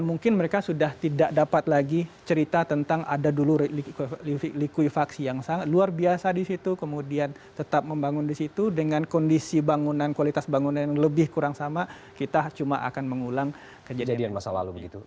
mungkin mereka sudah tidak dapat lagi cerita tentang ada dulu likuifaksi yang sangat luar biasa di situ kemudian tetap membangun di situ dengan kondisi bangunan kualitas bangunan yang lebih kurang sama kita cuma akan mengulang kejadian masa lalu